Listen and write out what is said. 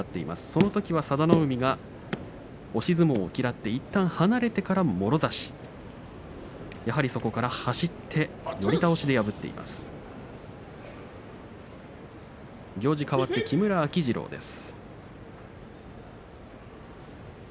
そのときは佐田の海が押し相撲をやっていったん離れてから、もろ差しそこから張って寄り倒して王鵬を破っています。